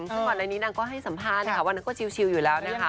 ซึ่งก่อนในนี้นางก็ให้สัมภาษณ์นะคะวันนั้นก็ชิวอยู่แล้วนะคะ